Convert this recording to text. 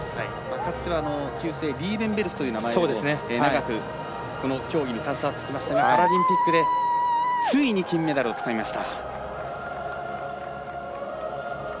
かつてはリーベンベルクという名前でも長くこの競技に携わってきましたがパラリンピックでついに金メダルをつかみました。